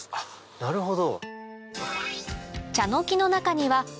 なるほど。